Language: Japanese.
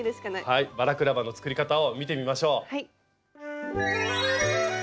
はいバラクラバの作り方を見てみましょう。